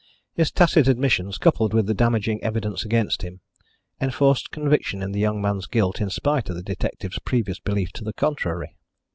His tacit admissions, coupled with the damaging evidence against him, enforced conviction in the young man's guilt in spite of the detective's previous belief to the contrary.